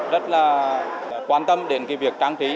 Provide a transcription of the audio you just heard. rất là quan tâm đến cái việc trang trí